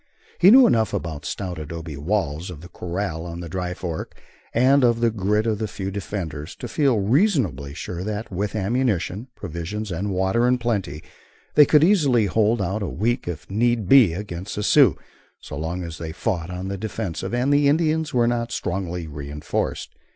He knew enough of the stout adobe walls of the corral on the Dry Fork, and of the grit of the few defenders, to feel reasonably sure that, with ammunition, provisions and water in plenty, they could easily hold out a week if need be against the Sioux, so long as they fought on the defensive and the Indians were not strongly reinforced.